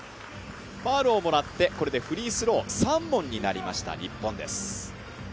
ファウルをもらってこれでフリースロー３本になりました日本です。